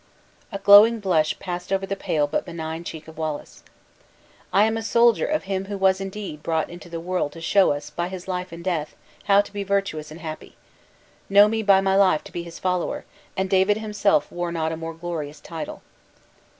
A glowing blush passed over the pale but benign cheek of Wallace. "I am a soldier of Him who was, indeed, brought into the world to show us, by his life and death, how to be virtuous and happy. Know me, by my life, to be his follower; and David himself wore not a more glorious title!"